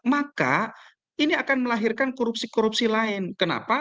maka ini akan melahirkan korupsi korupsi lain kenapa